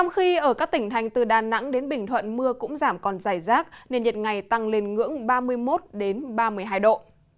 khi ở các tỉnh thành từ đà nẵng đến bình thuận mưa cũng giảm còn dài rác nên nhiệt ngày tăng lên ngưỡng ba mươi một ba mươi hai độ